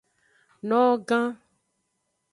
Nogan.